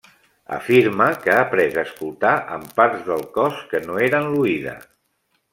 Afirma que ha après a escoltar amb parts del cos que no eren l'oïda.